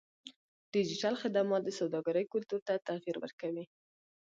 ډیجیټل خدمات د سوداګرۍ کلتور ته تغیر ورکوي.